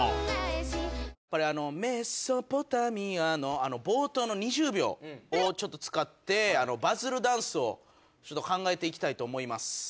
あの「メソポタミア」のあの冒頭の２０秒をちょっと使ってバズるダンスを考えていきたいと思います。